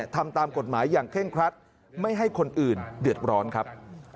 ทำตามกฎหมายอย่างเคร่งครัดไม่ให้คนอื่นเดือดร้อนครับ